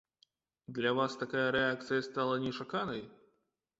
Для вас такая рэакцыя стала нечаканай?